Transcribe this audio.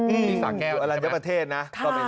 อยู่อันยบประเทศนะ